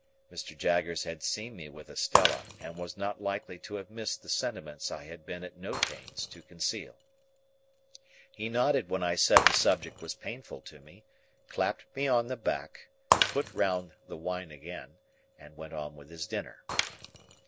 Mr. Jaggers had seen me with Estella, and was not likely to have missed the sentiments I had been at no pains to conceal. He nodded when I said the subject was painful to me, clapped me on the back, put round the wine again, and went on with his dinner.